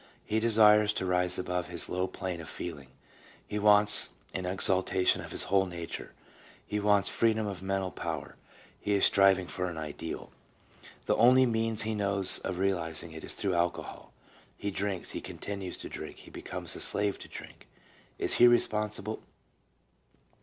He desires to rise above his low plane of feeling, he wants an exalta tion of his whole nature, he wants freedom of mental power, he is striving for an ideal. The only means he knows of realizing it is through alcohol ; he drinks, he continues to drink, he becomes a slave to drink; is he responsible?